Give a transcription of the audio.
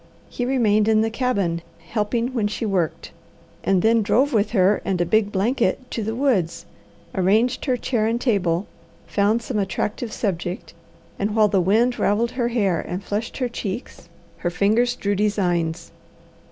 He remained in the cabin, helping when she worked, and then drove with her and a big blanket to the woods, arranged her chair and table, found some attractive subject, and while the wind ravelled her hair and flushed her cheeks, her fingers drew designs.